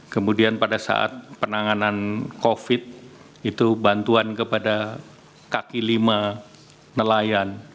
kemudian pada saat penanganan covid itu bantuan kepada kaki lima nelayan